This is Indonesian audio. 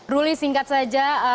ruli singkat saja